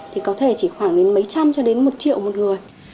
thì có thể chỉ khoảng đến mấy trăm cho đến một triệu một người